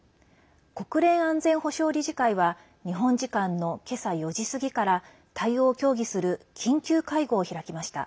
国連安全保障理事会は日本時間の今朝４時過ぎから対応を協議する緊急会合を開きました。